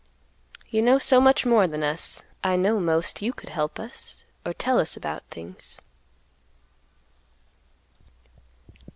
You know so much more than us; I know most you could help us or tell us about things."